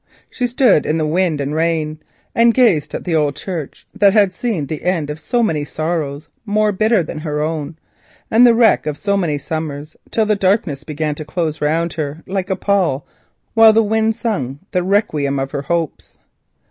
She stood in the storm and rain, gazing at the old church that had seen the end of so many sorrows more bitter than her own, and the wreck of so many summers, till the darkness began to close round her like a pall, while the wind sung the requiem of her hopes.